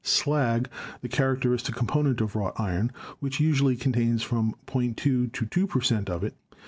Slag, the characteristic component of wrought iron, which usually contains from 0.20 to 2 per cent, of it.